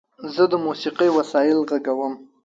زه د موسیقۍ وسایل غږوم.